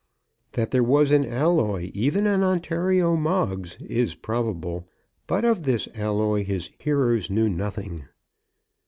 That there was an alloy even in Ontario Moggs is probable; but of this alloy his hearers knew nothing.